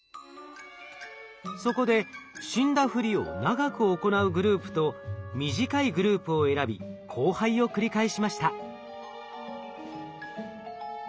そこで死んだふりを長く行うグループと短いグループを選び交配を繰り返しました。